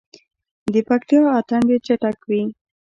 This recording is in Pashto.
د پکتیا اتن ډیر چټک وي.